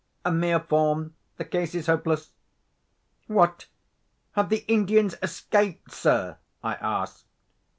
A mere form! The case is hopeless." "What! have the Indians escaped, sir?" I asked.